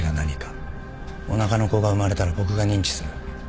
おなかの子が生まれたら僕が認知する。